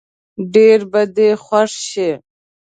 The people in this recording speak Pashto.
ډېر به دې خوښ شي.